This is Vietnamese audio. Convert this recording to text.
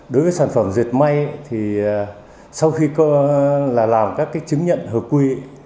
đối với sản phẩm diệt may thì sau khi làm các chứng nhận hợp quy